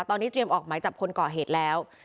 ตอนนี้เตรียมออกหมายจับคนก่อเหตุแล้ว